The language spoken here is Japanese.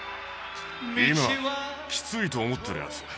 今、きついと思ってるやつ。